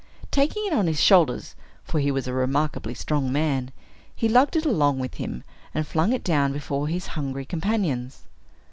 Taking it on his shoulders (for he was a remarkably strong man), he lugged it along with him, and flung it down before his hungry companions.